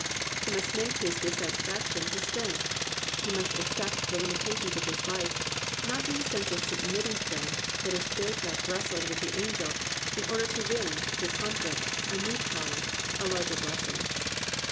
He must make his dissatis faction his strength. He must accept the limita tions of his life, not in the sense of submitting to them, but as Jacob wrestled with the angel, in order to win, through conflict, a new power, a larger bless ing.